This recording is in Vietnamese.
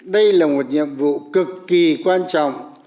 đây là một nhiệm vụ cực kỳ quan trọng